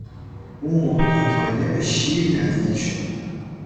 او محتاطانه به شیر نزدیک شد.